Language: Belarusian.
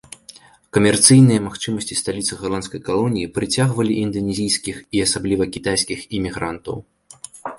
Камерцыйныя магчымасці сталіцы галандскай калоніі прыцягвалі інданезійскіх і асабліва кітайскіх імігрантаў.